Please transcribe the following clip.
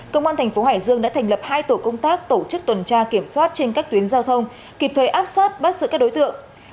công an thành phố hải dương đã thành lập hai tổ công tác tổ chức tuần tra kiểm soát trên các tuyến giao thông kịp thời áp sát bắt giữ các đối tượng